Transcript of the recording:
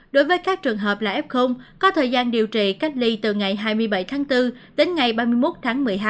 đối với các trường hợp là f có thời gian điều trị cách ly từ ngày hai mươi bảy tháng bốn đến ngày ba mươi một tháng một mươi hai